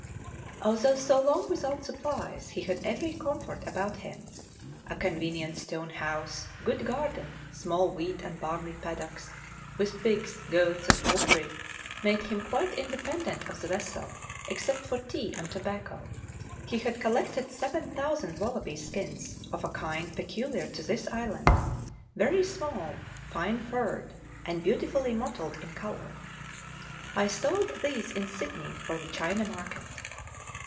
Although so long without supplies, he had every comfort about him. A convenient stone house, good garden, small wheat and barley paddocks, with pigs, goats, and poultry, made him quite independent of the vessel, except for tea and tobacco. He had collected 7,000 wallaby skins of a kind peculiar to this island very small, fine furred, and beautifully mottled in colour. I sold these in Sydney for the China market.